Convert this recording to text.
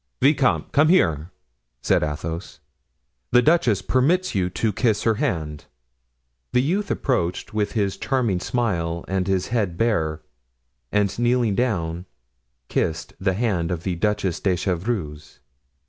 "Vicomte, come here," said Athos; "the duchess permits you to kiss her hand." The youth approached with his charming smile and his head bare, and kneeling down, kissed the hand of the Duchess de Chevreuse.